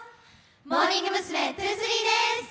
モーニング娘’２３です。